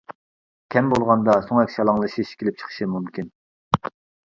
كەم بولغاندا سۆڭەك شالاڭلىشىش كېلىپ چىقىشى مۇمكىن.